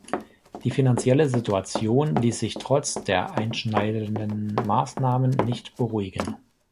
Die finanzielle Situation ließ sich trotz der einschneidenden Maßnahmen nicht beruhigen.